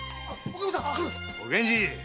おい源次！